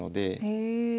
へえ。